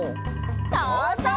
「どうぞう！」